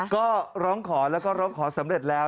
ก็ร้องขอแล้วก็ร้องขอสำเร็จแล้ว